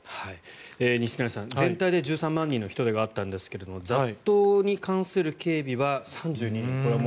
西成さん全体で１３万人の人出があったんですが雑踏に関する警備は３２人。